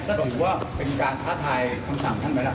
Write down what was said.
จุดหรือเป็นการพัฒนาคมสั่งไหมล่ะ